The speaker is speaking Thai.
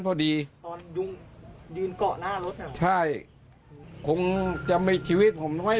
ออกหักคงจะฆ่าตัวตาย